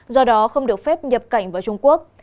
do đó không được phép nhập cảnh vào trung quốc